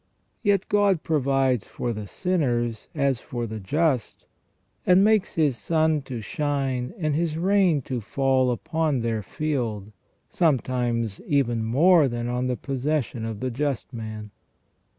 Yet God provides for the sinners as for the just, and makes His sun to shine and His rain to fall upon their field, sometimes even more than on the possession of the just man.